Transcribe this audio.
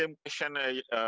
mungkin pertanyaan yang sama